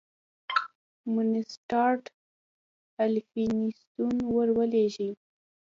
مونسټارټ الفینستون ور ولېږی.